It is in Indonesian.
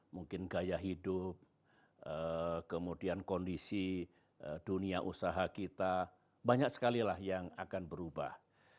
mungkin gaya hidup kemudian kondisi dunia usaha kita banyak sekali lah yang akan berubah